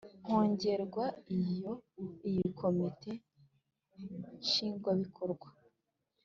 kongerwa Iyo iyi Komite Nshingwabikorwa